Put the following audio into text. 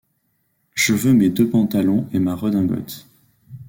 Je veux mes deux pantalons et ma redingote.